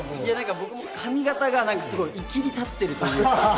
僕も髪形がいきり立っているというか。